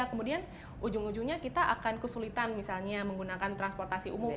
kemudian ujung ujungnya kita akan kesulitan misalnya menggunakan transportasi umum